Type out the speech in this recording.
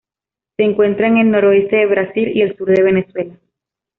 Se encuentra en el noroeste de Brasil y el sur de Venezuela.